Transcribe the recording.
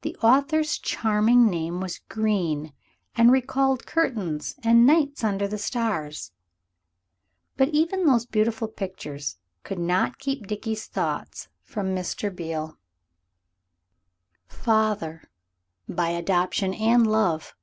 The author's charming name was Green, and recalled curtains and nights under the stars. But even those beautiful pictures could not keep Dickie's thoughts from Mr. Beale: "father" by adoption and love.